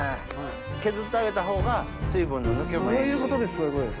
削ってあげたほうが水分の抜けもええし。